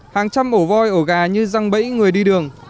hàng trăm ổ voi ổ gà như răng bẫy người đi đường